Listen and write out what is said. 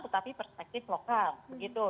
tetapi perspektif lokal begitu